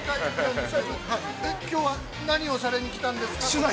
きょうは何をされに来たんですか。